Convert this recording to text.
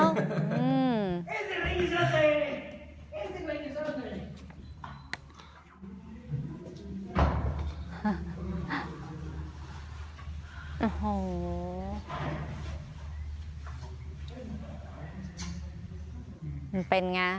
มันเป็นไง